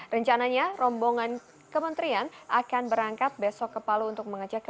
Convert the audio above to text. rencananya rombongan kementerian akan berangkat besok ke palu untuk mengajak